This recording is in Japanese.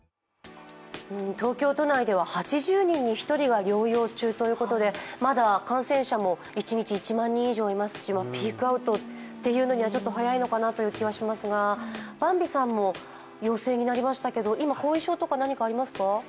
東京都内では８０人に１人が療養中ということで、まだ感染者も一日１万人以上いますし、ピークアウトというのにはちょっと早いかなという気もしますがヴァンビさんも陽性になりましたけど今、後遺症とか何かありますか。